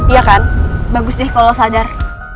iya kan bagus deh kalau sadar